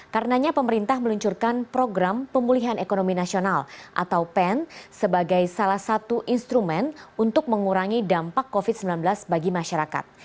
karenanya pemerintah meluncurkan program pemulihan ekonomi nasional atau pen sebagai salah satu instrumen untuk mengurangi dampak covid sembilan belas bagi masyarakat